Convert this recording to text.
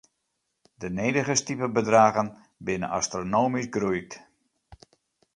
De nedige stipebedraggen binne astronomysk groeid.